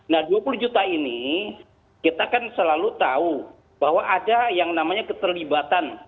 nah dua puluh juta ini kita kan selalu tahu bahwa ada yang namanya keterlibatan